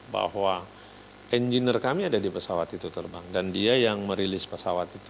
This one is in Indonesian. bahwa engineer kami ada di pesawat itu terbang dan dia yang merilis pesawat itu